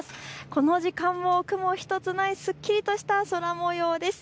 この時間も雲１つないすっきりとした空もようです。